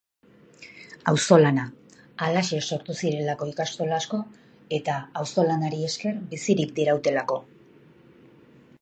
Auzolana, halaxe sortu zirelako ikastola asko eta auzolanari esker bizirik dirautelako.